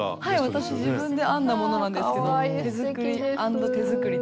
私自分で編んだものなんですけど手作り＆手作りですね。